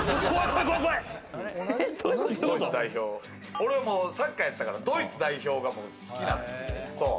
俺サッカーやってたからドイツ代表が好きなんですよ。